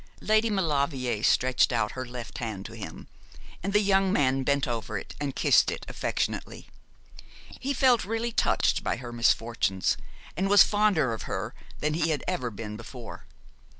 Lady Maulevrier stretched out her left hand to him, and the young man bent over it and kissed it affectionately. He felt really touched by her misfortunes, and was fonder of her than he had ever been before.